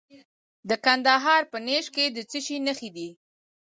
د کندهار په نیش کې د څه شي نښې دي؟